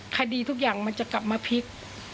คดีทุกอย่างมันจะกลับมาพลิก